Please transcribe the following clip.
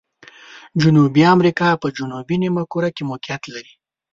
جنوبي امریکا په جنوبي نیمه کره کې موقعیت لري.